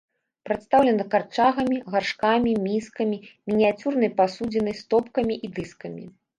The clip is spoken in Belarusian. Прадстаўлена карчагамі, гаршкамі, міскамі, мініяцюрнай пасудзінай, стопкамі і дыскамі.